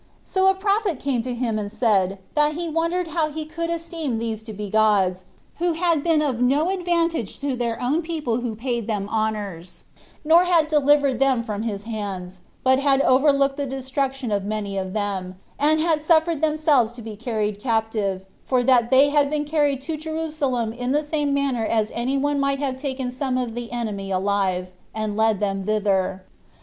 So a prophet came to him, and said, that he wondered how he could esteem these to be gods, who had been of no advantage to their own people who paid them honors, nor had delivered them from his hands, but had overlooked the destruction of many of them, and had suffered themselves to be carried captive, for that they had been carried to Jerusalem in the same manner as any one might have taken some of the enemy alive, and led them thither.